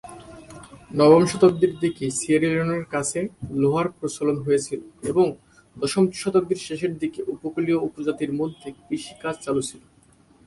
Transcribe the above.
নবম শতাব্দীর দিকে সিয়েরা লিওনের কাছে লোহার প্রচলন হয়েছিল এবং দশম শতাব্দীর শেষের দিকে উপকূলীয় উপজাতিদের মধ্যে কৃষিকাজ চালু ছিল।